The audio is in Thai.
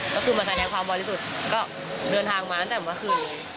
ก็คือมาแสดงความบริสุทธิ์ก็เดินทางมาตั้งแต่เมื่อคืน